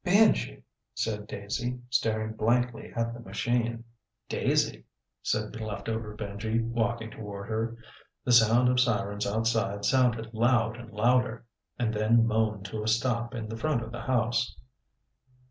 "Benji," said Daisy, staring blankly at the machine. "Daisy," said the leftover Benji, walking toward her. The sound of sirens outside sounded loud and louder and then moaned to a stop in front of the house.